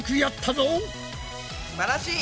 すばらしい！